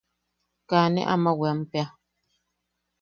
Kaa ne ama weampea.